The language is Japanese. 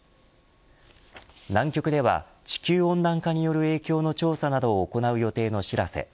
南極では地球温暖化による影響の調査などを行う予定のしらせ。